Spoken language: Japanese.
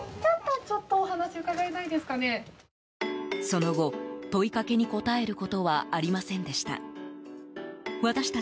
その後、問いかけに答えることはありませんでした。